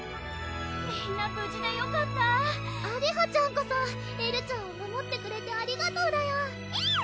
みんな無事でよかったあげはちゃんこそエルちゃんを守ってくれてありがとうだよえるぅ！